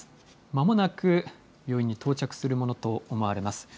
まもなく病院に到着するものと思われます。